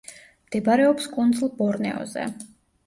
მდებარეობს კუნძლ ბორნეოზე.